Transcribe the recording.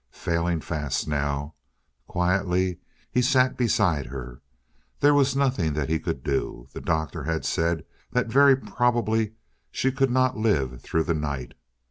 Failing fast now. Quietly he sat beside her. There was nothing that he could do. The doctor had said that very probably she could not live through the night.